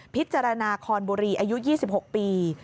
พิจารณาคอนบุรีอายุ๒๖ปี